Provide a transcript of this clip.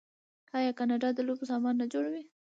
آیا کاناډا د لوبو سامان نه جوړوي؟